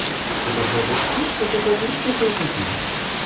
De nombreux vestiges sont aujourd’hui toujours visibles.